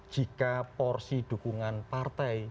jika porsi dukungan partai